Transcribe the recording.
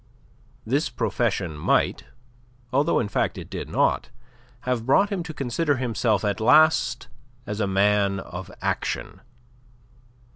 This profession might although in fact it did not have brought him to consider himself at last as a man of action.